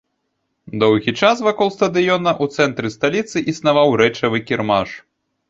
Доўгі час вакол стадыёна ў цэнтры сталіцы існаваў рэчавы кірмаш.